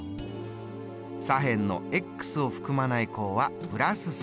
左辺のを含まない項は＋３。